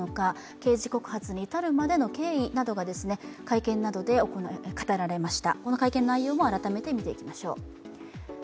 刑事告発に至るまでの経緯が会見などで語られました。